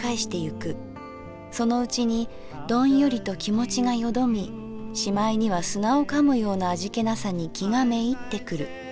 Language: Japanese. そのうちにドンヨリと気持がよどみしまいには砂を噛むような味気なさに気がめいってくる。